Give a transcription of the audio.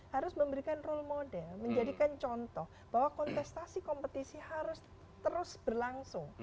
harus memberikan role model menjadikan contoh bahwa kontestasi kompetisi harus terus berlangsung